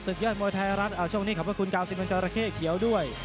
ศึกยอดมวยไทยรัฐช่วงนี้ขอบคุณกล่าวสิบหนึ่งเจ้าระเข้เขียวด้วย